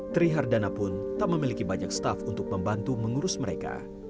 trihardana pun tak memiliki banyak staff untuk membantu mengurus mereka